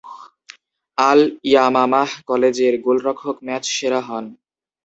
আল-ইয়ামামাহ কলেজের গোলরক্ষক ম্যাচ সেরা হন।